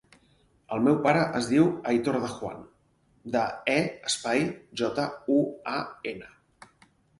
El meu pare es diu Aitor De Juan: de, e, espai, jota, u, a, ena.